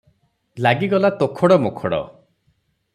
ଲାଗିଗଲା ତୋଖଡ଼ ମୋଖଡ଼ ।